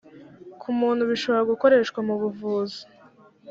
ku muntu bishobora gukoreshwa mu buvuzi